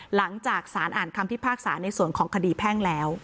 หลังจากสารอ่านคำพิพากษาในส่วนของคดีแพ่งแล้ว